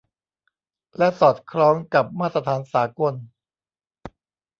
และสอดคล้องกับมาตรฐานสากล